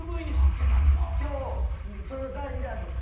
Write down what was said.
今日それの第２弾です。